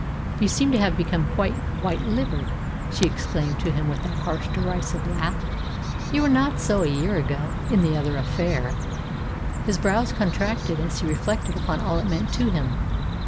"You seem to have become quite white livered," she exclaimed to him with a harsh, derisive laugh. "You were not so a year ago in the other affair." His brows contracted as he reflected upon all it meant to him.